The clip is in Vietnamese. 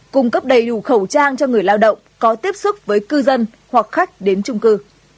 cung cấp đầy đủ khẩu trang cho người lao động có tiếp xúc với cư dân hoặc khách đến trung cư